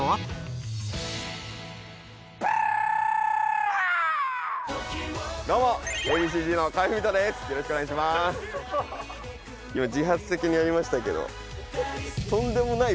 はい。